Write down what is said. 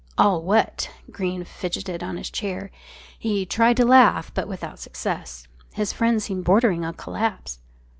"All what?" Greene fidgeted on his chair. He tried to laugh, but without success. His friend seemed bordering on collapse.